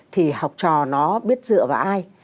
thì học trò nó biết dựa vào ai